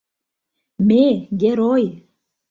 Ме — герой!